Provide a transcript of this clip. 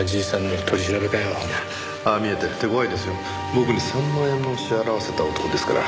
僕に３万円も支払わせた男ですから。